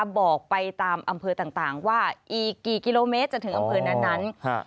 บอกไปตามอำเภอต่างว่าอีกกี่กิโลเมตรจะถึงอำเภอนั้น